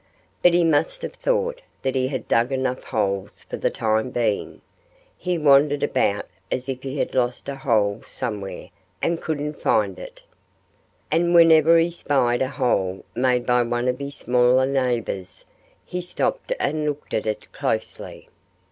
But he must have thought that he had dug enough holes for the time being. He wandered about as if he had lost a hole somewhere and couldn't find it. And whenever he spied a hole made by one of his smaller neighbors he stopped and looked at it closely.